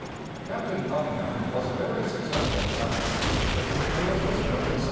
Captain Conyngham was a very successful commander, but he was made a prisoner in 1779.